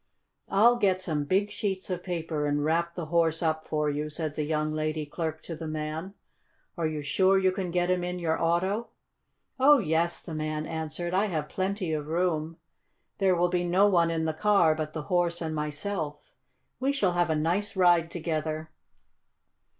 "I'll get some big sheets of paper and wrap the horse up for you," said the young lady clerk to the man. "Are you sure you can get him in your auto?" "Oh, yes," the man answered. "I have plenty of room. There will be no one in the car but the horse and myself. We shall have a nice ride together.